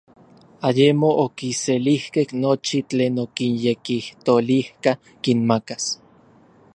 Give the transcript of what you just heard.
Ayemo okiselijkej nochi tlen okinyekijtolijka kinmakas.